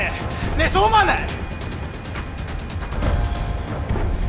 ねえそう思わない！？